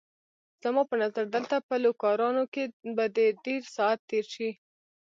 زما په نظر دلته په لوکارنو کې به دې ډېر ساعت تېر شي.